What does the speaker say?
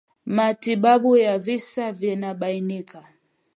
Matibabu ya visa vinavyobainika